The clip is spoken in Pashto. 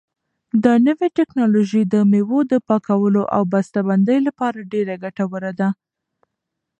دا نوې ټیکنالوژي د مېوو د پاکولو او بسته بندۍ لپاره ډېره ګټوره ده.